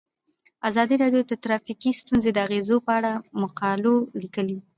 ازادي راډیو د ټرافیکي ستونزې د اغیزو په اړه مقالو لیکلي.